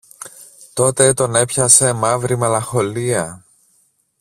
Τότε τον έπιασε μαύρη μελαγχολία.